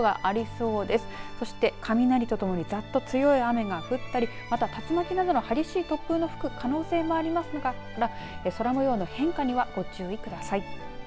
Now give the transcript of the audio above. そして、雷とともにざっと強い雨が降ったりまた、竜巻などの激しい突風の吹く可能性もありますから空模様の変化にはご注意ください。